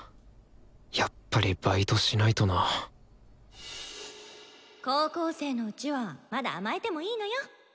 やっぱりバイトしないとな高校生のうちはまだ甘えてもいいのよ。